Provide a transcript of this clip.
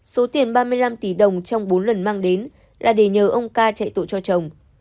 số tiền ba mươi năm tỷ đồng trong bốn lần mang đến là để nhờ ông ca chạy tội cho chồng